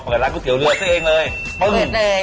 เปิดรักก๋วยเตี๋ยวเรือซึ่งเองเลย